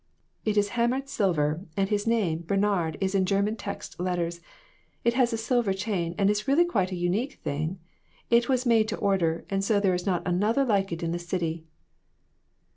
It is hammered silver, and his name, ' Bernard,' is in German text letters. It has a silver chain, and is really quite a unique thing. It was made to order, and so there is not another like it in the city."